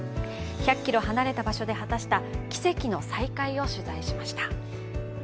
１００ｋｍ離れた場所で果たした奇跡の再会を取材しました。